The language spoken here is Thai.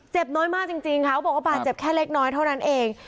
น้อยมากจริงค่ะเขาบอกว่าบาดเจ็บแค่เล็กน้อยเท่านั้นเอง